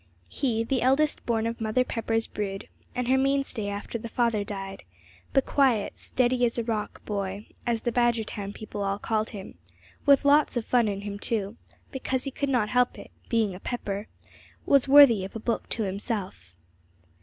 He, the eldest born of Mother Pepper's brood, and her mainstay after the father died, the quiet, "steady as a rock boy," as the Badgertown people all called him, with lots of fun in him too, because he could not help it, being a Pepper, was worthy of a book to himself.